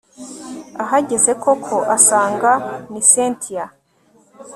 ahageze koko asanga ni cyntia